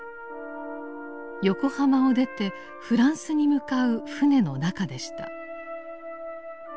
横浜を出てフランスに向かう船の中でした。